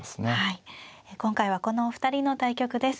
今回はこのお二人の対局です。